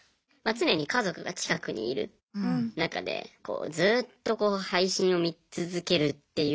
常に家族が近くにいる中でずっと配信を見続けるっていうのも難しいんですよね。